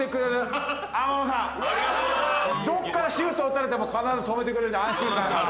どっからシュート打たれても必ず止めてくれる安心感がある。